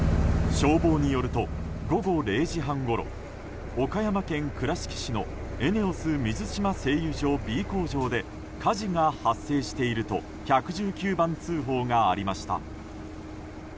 消防によると午後０時半ごろ岡山県倉敷市のＥＮＥＯＳ水島製油所Ｂ工場で火事が発生していると１１９番通報がありました。